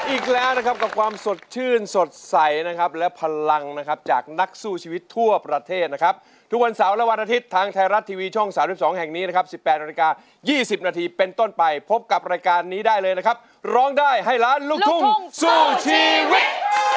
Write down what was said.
อีกแล้วนะครับกับความสดชื่นสดใสนะครับและพลังนะครับจากนักสู้ชีวิตทั่วประเทศนะครับทุกวันเสาร์และวันอาทิตย์ทางไทยรัฐทีวีช่อง๓๒แห่งนี้นะครับ๑๘นาฬิกา๒๐นาทีเป็นต้นไปพบกับรายการนี้ได้เลยนะครับร้องได้ให้ล้านลูกทุ่งสู้ชีวิต